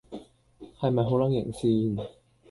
係咪好撚型先